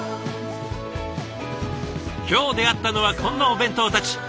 今日出会ったのはこんなお弁当たち。